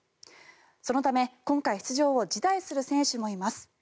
そのため、今回出場を辞退する選手もいます。